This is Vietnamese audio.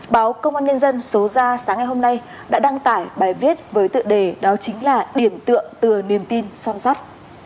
báo công an nhân dân số ra sáng ngày hôm nay đã đăng tải bài viết với tựa đề đó chính là điểm tượng từ niềm tin son sắt